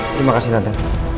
terima kasih tante